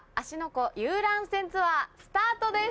湖遊覧船ツアースタートです。